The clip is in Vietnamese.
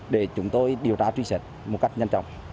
để chúng tôi điều tra truy xét một cách nhanh chóng